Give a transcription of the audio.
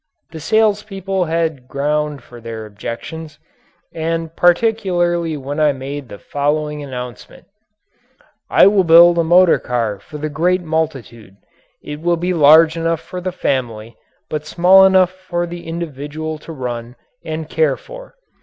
The sales people had ground for their objections and particularly when I made the following announcement: "I will build a motor car for the great multitude. It will be large enough for the family but small enough for the individual to run and care for.